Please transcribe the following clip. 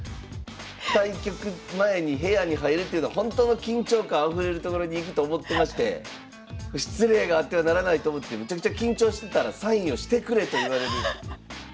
対局前に部屋に入るっていうのはほんとの緊張感あふれる所に行くと思ってまして失礼があってはならないと思ってめちゃくちゃ緊張してたらサインをしてくれと言われる。